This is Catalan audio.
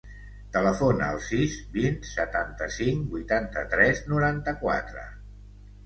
Telefona al sis, vint, setanta-cinc, vuitanta-tres, noranta-quatre.